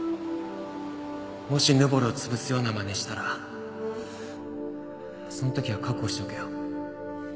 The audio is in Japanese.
もしヌボルを潰すようなまねしたらその時は覚悟しておけよ。